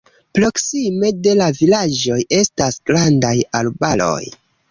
Proksime de la vilaĝoj estas grandaj arbaroj.